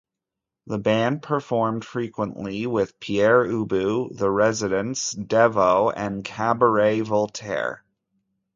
The band performed frequently with Pere Ubu, The Residents, Devo, and Cabaret Voltaire.